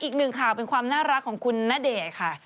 อีกหนึ่งข่าวเป็นความน่ารักของคุณณเดชน์ค่ะ